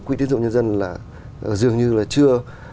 quỹ tiến dụng nhân dân là dường như là chưa